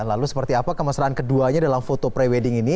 lalu seperti apa kemesraan keduanya dalam foto pre wedding ini